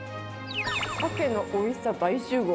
サケのおいしさ大集合。